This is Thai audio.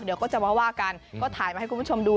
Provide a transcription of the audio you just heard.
เดี๋ยวก็จะมาว่ากันก็ถ่ายมาให้คุณผู้ชมดู